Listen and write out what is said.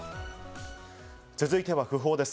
続いては訃報です。